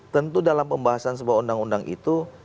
tentu dalam pembahasan sebuah undang undang itu